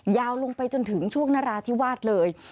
ยาวลงไปจนถึงช่วงนราธิวาสเลย